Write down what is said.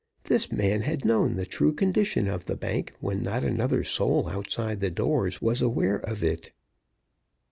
This man had known the true condition of the bank when not another soul outside the doors was aware of it!